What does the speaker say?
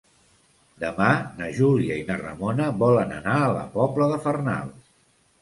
Demà na Júlia i na Ramona volen anar a la Pobla de Farnals.